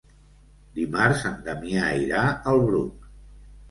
Dimarts en Damià irà al Bruc.